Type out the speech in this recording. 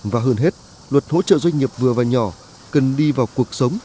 và hơn hết luật hỗ trợ doanh nghiệp vừa và nhỏ cần đi vào cuộc sống